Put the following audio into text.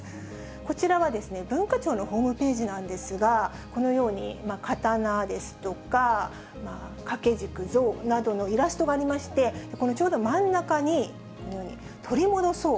こちらは文化庁のホームページなんですが、このように刀ですとか、掛け軸、像などのイラストがありまして、このちょうど真ん中に、このように、取り戻そう！